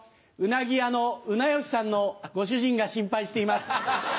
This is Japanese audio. うなぎ屋の「うなよし」さんのご主人が心配しています。